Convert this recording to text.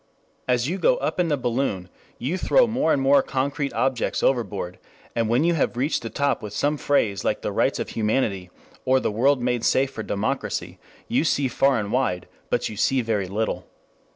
As you go up in the balloon you throw more and more concrete objects overboard, and when you have reached the top with some phrase like the Rights of Humanity or the World Made Safe for Democracy, you see far and wide, but you see very little.